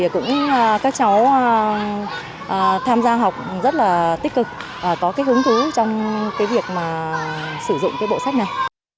các cháu tham gia học rất là tích cực có hứng thú trong việc sử dụng bộ sách này